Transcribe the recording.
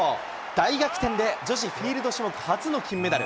大逆転で女子フィールド種目初の金メダル。